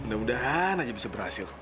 mudah mudahan aja bisa berhasil